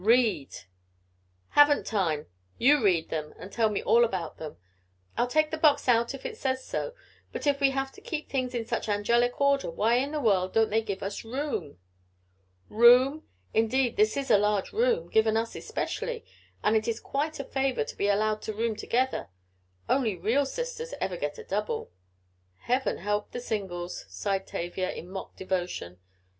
"Read!" "Haven't time. You read them and tell me about them. I'll take the box out if it says so, but if we have to keep things in such angelic order why in the world don't they give us room?" "Room? Indeed this is a large room, given us especially, and it is quite a favor to be allowed to room together only real sisters ever get a double." "Heaven help the singles!" sighed Tavia in mock devotion.